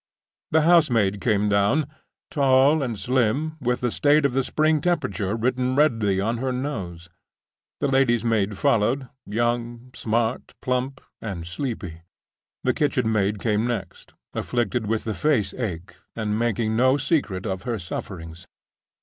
The housemaid came down—tall and slim, with the state of the spring temperature written redly on her nose. The lady's maid followed—young, smart, plump, and sleepy. The kitchen maid came next—afflicted with the face ache, and making no secret of her sufferings.